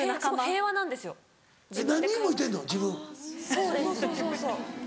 そうそうそうそうそう。